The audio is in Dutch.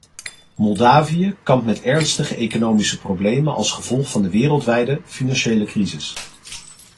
Moldavië kampt met ernstige economische problemen als gevolg van de wereldwijde financiële crisis.